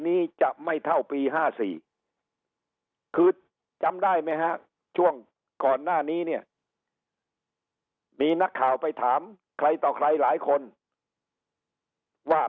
นี้เนี่ยมีนักข่าวไปถามใครต่อใครหลายคนว่า